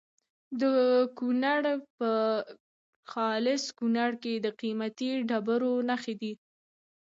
د کونړ په خاص کونړ کې د قیمتي ډبرو نښې دي.